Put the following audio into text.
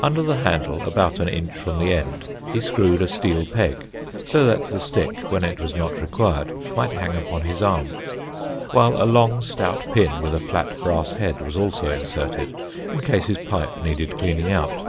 Under the handle, about an inch from the end, he screwed a steel peg, so that the stick, when it was not required, might hang upon his arm; while a long, stout pin, with a flat brass head, was also inserted, in case his pipe needed cleaning out.